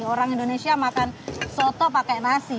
orang indonesia makan soto pakai nasi